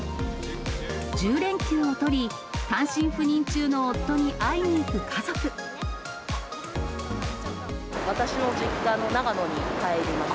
１０連休を取り、私の実家の長野に帰ります。